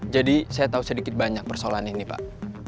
jadi saya tahu sedikit banyak persoalan ini pak